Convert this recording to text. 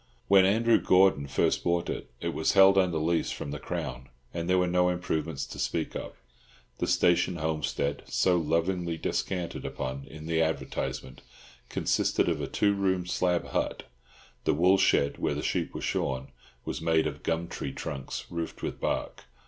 When Andrew Gordon first bought it, it was held under lease from the Crown, and there were no improvements to speak of. The station homestead, so lovingly descanted upon in the advertisement, consisted of a two roomed slab hut; the woolshed, where the sheep were shorn, was made of gumtree trunks roofed with bark.